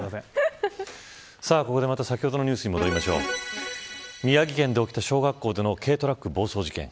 ここで先ほどのニュースに戻りましょう宮城県で起きた小学校の軽トラック暴走事件。